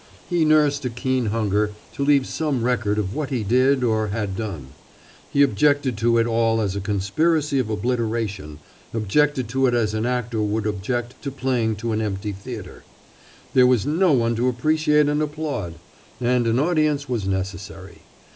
He nursed a keen hunger to leave some record of what he did or had done. He objected to it all as a conspiracy of obliteration, objected to it as an actor would object to playing to an empty theater. There was no one to appreciate and applaud. And an audience was necessary.